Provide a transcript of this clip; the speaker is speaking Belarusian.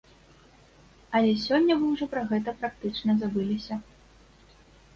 Але сёння вы ўжо пра гэта практычна забыліся.